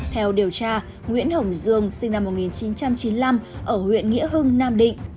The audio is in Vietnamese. theo điều tra nguyễn hồng dương sinh năm một nghìn chín trăm chín mươi năm ở huyện nghĩa hưng nam định